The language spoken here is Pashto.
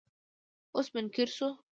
اوس منکر شو.